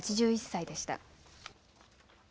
８１歳でした。